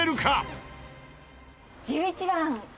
「１１番。